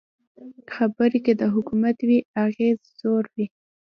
خبرې که د حکمت وي، اغېز ژور وي